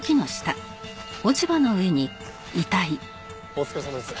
お疲れさまです。